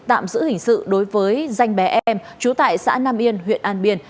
tạm giữ hình sự đối với danh bé em trú tại xã nam yên huyện an biên